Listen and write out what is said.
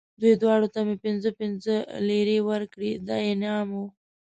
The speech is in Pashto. دوی دواړو ته مې پنځه پنځه لېرې ورکړې، دا یې انعام و.